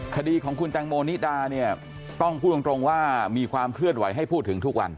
คดีของคุณแตงโมนิดาเนี่ยต้องพูดตรงว่ามีความเคลื่อนไหวให้พูดถึงทุกวัน